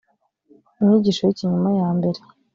inyigisho y’ikinyoma ya mbere